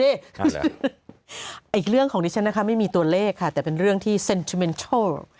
อีกเรื่องของดิฉันนะคะไม่มีตัวเลขค่ะแต่เป็นเรื่องที่เซ็นทรเมนเชิล